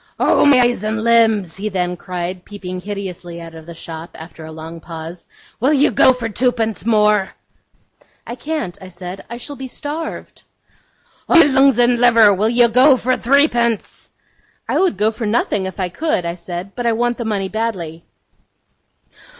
'Oh, my eyes and limbs!' he then cried, peeping hideously out of the shop, after a long pause, 'will you go for twopence more?' 'I can't,' I said; 'I shall be starved.' 'Oh, my lungs and liver, will you go for threepence?' 'I would go for nothing, if I could,' I said, 'but I want the money badly.